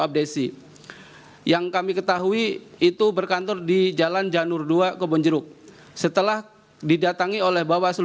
abdesi yang kami ketahui itu berkantor di jalan janur dua kebonjeruk setelah didatangi oleh bawaslu